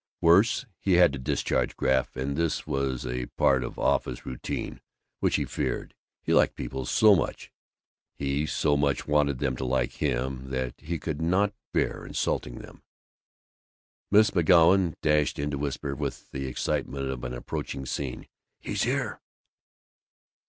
Worse, he had to discharge Graff, and this was a part of office routine which he feared. He liked people so much, he so much wanted them to like him, that he could not bear insulting them. Miss McGoun dashed in to whisper, with the excitement of an approaching scene, "He's here!"